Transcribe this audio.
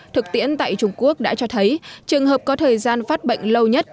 thực tiễn tại trung quốc đã cho thấy trường hợp có thời gian phát bệnh lâu nhất